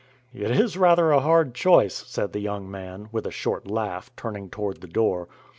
"It is rather a hard choice," said the young man, with a short laugh, turning toward the door.